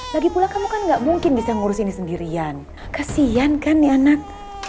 lagi pula kamu kan enggak mungkin bisa ngurus ini sendirian kesian kan nih anak